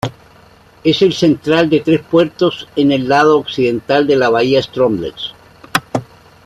Es el central de tres puertos en el lado occidental de la bahía Stromness.